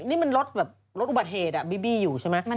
วันนี้คนจะหลับมาเหตุอะบีบบี้อยู่ใช่มั้ย